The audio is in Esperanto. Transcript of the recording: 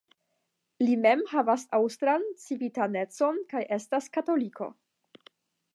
Li mem havas aŭstran civitanecon kaj estas katoliko.